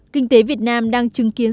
kinh tế việt nam đang chứng kiến